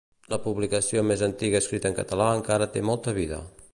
La publicació més antiga escrita en català encara té molta vida.